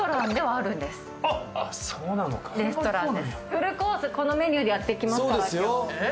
フルコースこのメニューでやっていきますから今日。